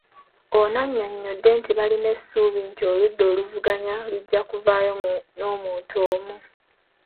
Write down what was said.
Ono annyonnyodde nti balina essuubi nti oludda oluvuganya lujja kuvaayo n'omuntu omu.